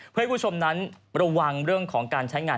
เพื่อให้ผู้ชมนั้นระวังเรื่องของการใช้งาน